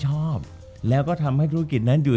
จบการโรงแรมจบการโรงแรม